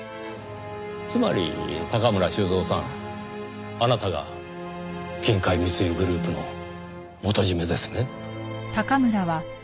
つまり高村修三さんあなたが金塊密輸グループの元締ですね？